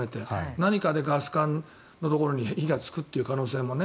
何かでガス管のところに火がつくという可能性もね。